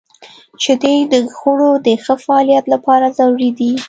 • شیدې د غړو د ښه فعالیت لپاره ضروري دي.